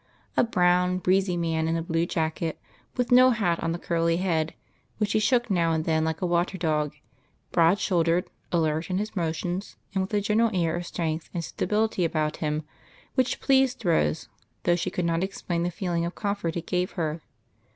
A brown, breezy man, in a blue jacket, wrth no hat on the curly head which he shook now and then like a water dog ; broad shouldered, alert in his motions, and with a general air of strength and stability about him which pleased Rose, though she could not explain the feeling of comfort it gave her.